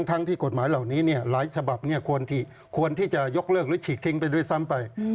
ทั้งที่กฎหมายเหล่านี้หลายฉบับควรที่จะยกเลิกหรือฉีกทิ้งไปด้วยซ้ำไป